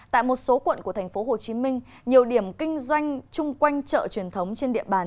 tại một số quận của thành phố hồ chí minh nhiều điểm kinh doanh chung quanh chợ truyền thống trên địa bàn